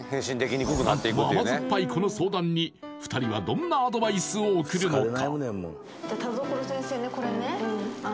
何とも甘酸っぱいこの相談に２人はどんなアドバイスを送るのか？